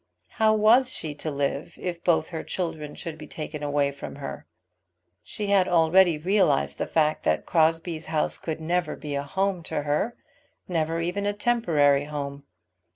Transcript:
How was she to live if both her children should be taken away from her? She had already realized the fact that Crosbie's house could never be a home to her, never even a temporary home.